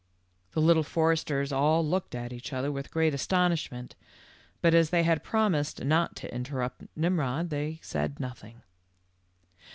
The Little Foresters all looked at each other with great astonishment, but as they had promised not to interrupt Nimrod, they said nothing.